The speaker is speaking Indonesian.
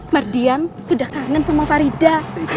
mardian sudah kangen sama farida